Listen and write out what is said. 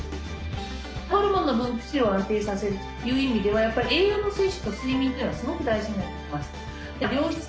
ホルモンの分泌量を安定させるという意味ではやっぱり栄養の摂取と睡眠というのはすごく大事になってきます。